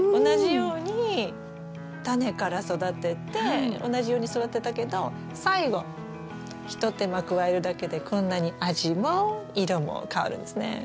同じようにタネから育てて同じように育てたけど最後ひと手間加えるだけでこんなに味も色も変わるんですね。